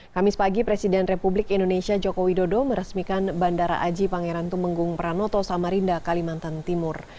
kamis pagi presiden republik indonesia joko widodo meresmikan bandara aji pangeran tumenggung pranoto samarinda kalimantan timur